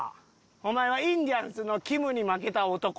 お前はインディアンスのきむに負けた男。